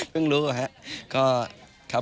เพิ่งรู้เลยครับ